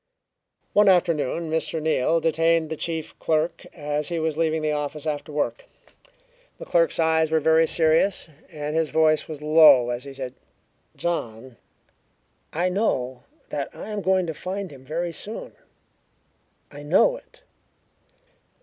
One afternoon Mr. Neal detained the chief clerk as he was leaving the office after work. The little clerk's eyes were very serious, and his voice was low as he said: "John, I know that I am going to find him very soon. I know it."